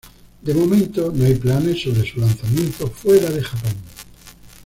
De momento no hay planes sobre su lanzamiento fuera de Japón.